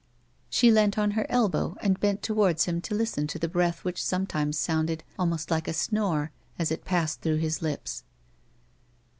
She leant on her elbow, and bent towards him to listen to the breath which sometimes sounded almost like a snore as it passed through his lips.